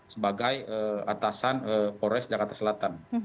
sebagai atasan polres jakarta selatan